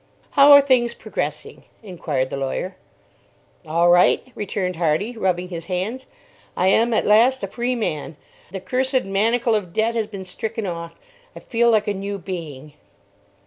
"How are things progressing?" inquired the lawyer. "All right," returned Hardy, rubbing his hands. "I am at last a free man. The cursed manacle of debt has been stricken off I feel like a new being."